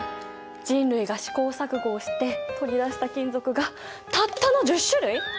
人類が試行錯誤をして取り出した金属がたったの１０種類！？